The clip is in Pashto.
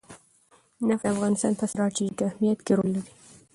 نفت د افغانستان په ستراتیژیک اهمیت کې رول لري.